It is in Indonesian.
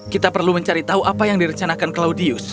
kita perlu mencari tahu apa yang direcanda